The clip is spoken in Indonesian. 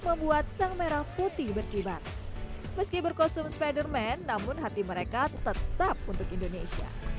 membuat sang merah putih berkibar meski berkostum spiderman namun hati mereka tetap untuk indonesia